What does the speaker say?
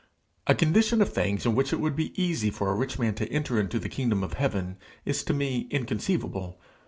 A condition of things in which it would be easy for a rich man to enter into the kingdom of heaven is to me inconceivable.